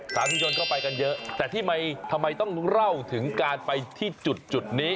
สาธุชนเข้าไปกันเยอะแต่ที่ทำไมต้องเล่าถึงการไปที่จุดนี้